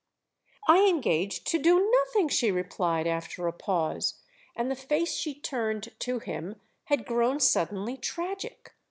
"I engaged to do nothing," she replied after a pause; and the face she turned to him had grown suddenly tragic.